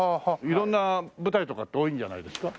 色んな舞台とかって多いんじゃないですか？